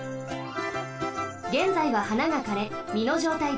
げんざいははながかれみのじょうたいです。